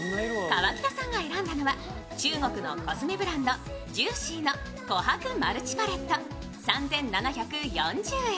河北さんが選んだのは、中国のコスメブランドＪｏｏｃｙｅｅの琥珀マルチパレット３７４０円。